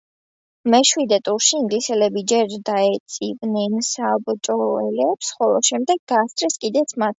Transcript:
მეშვიდე ტურში ინგლისელები ჯერ დაეწივნენ საბჭოელებს, ხოლო შემდეგ გაასწრეს კიდეც მათ.